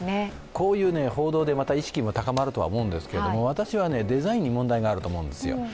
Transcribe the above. こういう報道でまた意識も高まると思うんですけど、私はデザインに問題があると思うんですよ。